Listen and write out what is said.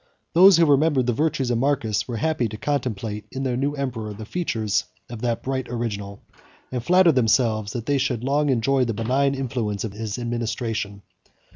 Those who remembered the virtues of Marcus were happy to contemplate in their new emperor the features of that bright original; and flattered themselves, that they should long enjoy the benign influence of his administration.